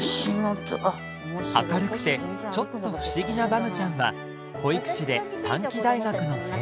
明るくてちょっと不思議なバムちゃんは保育士で短期大学の先生。